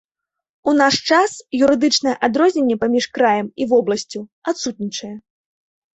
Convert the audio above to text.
У наш час юрыдычнае адрозненне паміж краем і вобласцю адсутнічае.